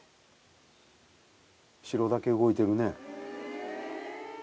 白だけ動いてるね。